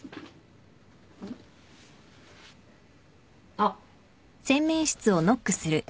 あっ。